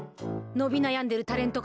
のびなやんでるタレント